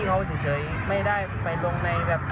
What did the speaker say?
เพราะว่าพี่เขาได้ติดต่อมา